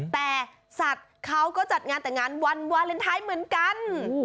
แต่สัตว์เขาก็จัดงานแต่งงานวันวาเลนไทยเหมือนกัน